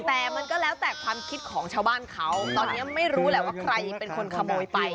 แต่มันก็แล้วแต่ความคิดของชาวบ้านเขาตอนนี้ไม่รู้แหละว่าใครเป็นคนขโมยไป